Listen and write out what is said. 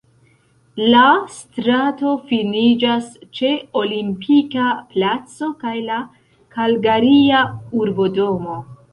La strato finiĝas ĉe Olimpika Placo kaj la Kalgaria urbodomo.